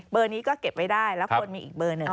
นี้ก็เก็บไว้ได้แล้วควรมีอีกเบอร์หนึ่ง